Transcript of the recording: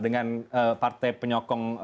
dengan partai penyokong